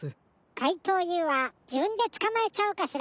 かいとうＵはじぶんでつかまえちゃおうかしら。